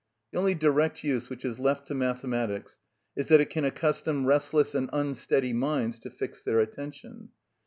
The only direct use which is left to mathematics is that it can accustom restless and unsteady minds to fix their attention.